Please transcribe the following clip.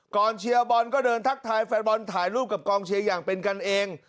เชียร์บอลก็เดินทักทายแฟนบอลถ่ายรูปกับกองเชียร์อย่างเป็นกันเอง